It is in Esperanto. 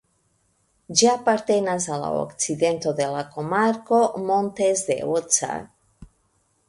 Ĝi apartenas al la okcidento de la komarko "Montes de Oca".